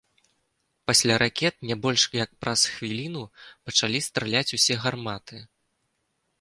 Пасля ракет не больш як праз хвіліну пачалі страляць усе гарматы.